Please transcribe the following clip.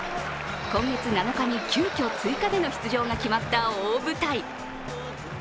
今月７日に急きょ、追加での出場が決まった大舞台。